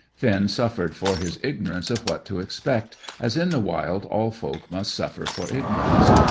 Finn suffered for his ignorance of what to expect, as in the wild all folk must suffer for ignorance.